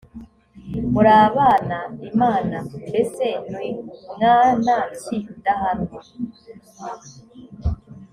muri abana imana mbese ni mwana ki udahanwa